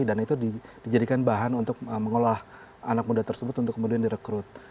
dan itu dijadikan bahan untuk mengolah anak muda tersebut untuk kemudian direkrut